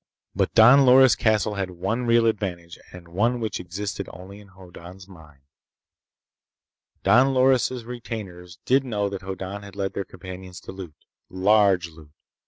But Don Loris' castle had one real advantage and one which existed only in Hoddan's mind. Don Loris' retainers did know that Hoddan had led their companions to loot. Large loot.